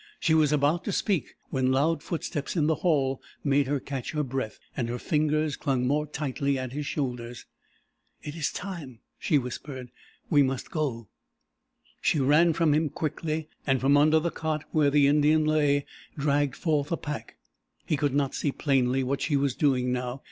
She was about to speak when loud footsteps in the hall made her catch her breath, and her fingers clung more tightly at his shoulders. "It is time," she whispered. "We must go!" She ran from him quickly and from under the cot where the Indian lay dragged forth a pack. He could not see plainly what she was doing now.